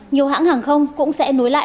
nhiều hãng hàng không cũng sẽ nối lại